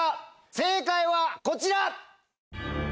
正解はこちら！